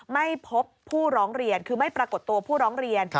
ไม่พบผู้ร้องเรียนคือไม่ปรากฏตัวผู้ร้องเรียน